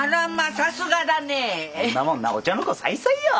さすがだねえ。こんなもんなお茶の子さいさいよ。